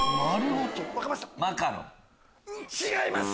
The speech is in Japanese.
違います。